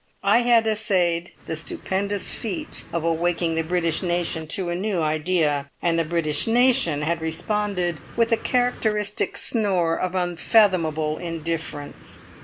I had essayed the stupendous feat of awaking the British nation to a new idea, and the British nation had responded with a characteristic snore of unfathomable indifference.